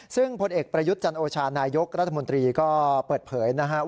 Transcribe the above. ซึ่งพลเอกประยุทธ์จันโอชานายกรัฐมนตรีก็เปิดเผยนะครับ